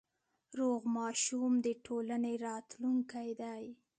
روغ ماشوم د ټولنې راتلونکی دی۔